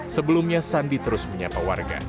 sebelumnya sandi terus menyapa warga